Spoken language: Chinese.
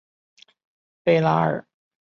贝拉尔。